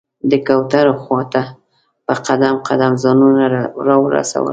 د کوترو خواته په قدم قدم ځانونه راورسول.